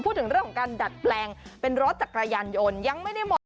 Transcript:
พูดถึงเรื่องของการดัดแปลงเป็นรถจักรยานยนต์ยังไม่ได้หมด